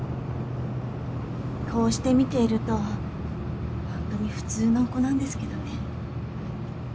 こうして見ていると本当に普通の子なんですけどね。